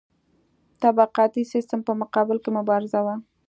طبقاتي سیستم په مقابل کې مبارزه وه.